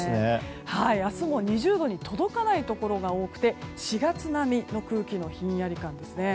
明日も２０度に届かないところが多くて４月並みの空気のひんやり感ですね。